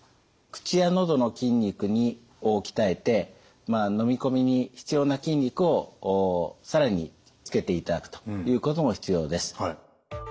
口や喉の筋肉を鍛えてのみ込みに必要な筋肉を更につけていただくということも必要です。